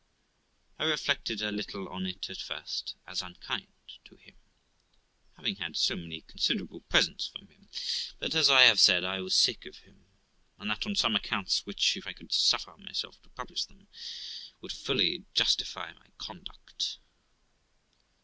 I reflected a little on it at first as unkind to him, having had so many considerable presents from him, but, as I have said, I was sick of him, and that on some accounts which, if I could suffer myself to publish them, would fully justify my conduct.